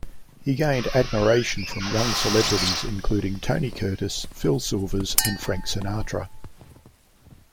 He gained admiration from young celebrities, including Tony Curtis, Phil Silvers, and Frank Sinatra.